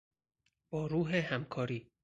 با روح همکاری